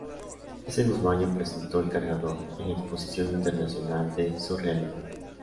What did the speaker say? Ese mismo año presentó "El Cargador" en la Exposición Internacional de Surrealismo.